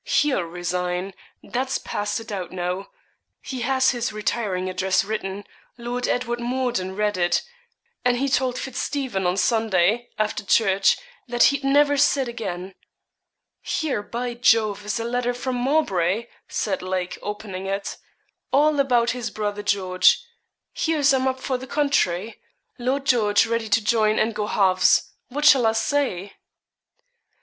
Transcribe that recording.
He'll resign; that's past a doubt now. He has his retiring address written; Lord Edward Mordun read it; and he told FitzStephen on Sunday, after church, that he'd never sit again.' 'Here, by Jove, is a letter from Mowbray,' said Lake, opening it. 'All about his brother George. Hears I'm up for the county. Lord George ready to join and go halves. What shall I say?'